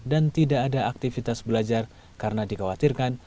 dan tidak ada aktivitas belajar karena dikhawatirkan